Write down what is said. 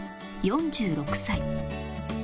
４６歳